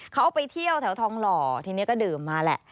เขาไปเที่ยวแถวทองหล่อทีนี้ก็ดื่มมาแหละ